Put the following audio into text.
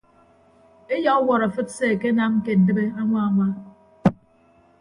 Eyauwọt afịt se akenam ke ndịbe añwa añwa.